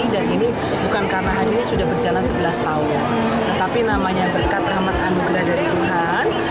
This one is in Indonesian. dan ini bukan karena ini sudah berjalan sebelas tahun tetapi namanya berkat rahmatan bukada dari tuhan